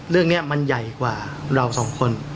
เรื่องนี้มันใหญ่กว่าเราสองคน